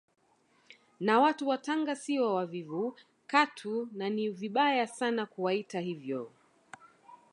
Na watu wa Tanga sio wavivu katu na ni vibaya sana kuwaita hivyo